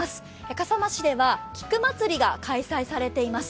笠間市では菊まつりが開催されています。